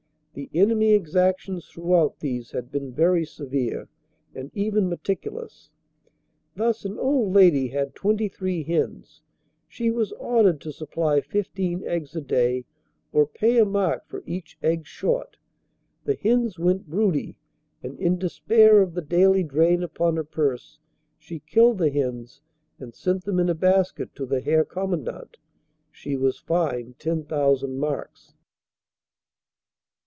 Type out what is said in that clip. The enemy exactions throughout these CANADA S HUNDRED DAYS years had been very severe and even meticulous. Thus an old lady had 23 hens. She was ordered to supply 15 eggs a day, or pay a mark for each egg short. The hens went broody and in despair of the daily drain upon her purse, she killed the hens and sent them in a basket to the Herr Commandant. She was fined 10,000 marks.